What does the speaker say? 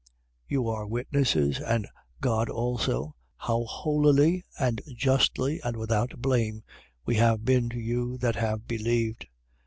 2:10. You are witnesses, and God also, how holily and justly and without blame we have been to you that have believed: 2:11.